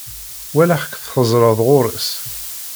Walaɣ-k txeẓẓreḍ ɣur-s.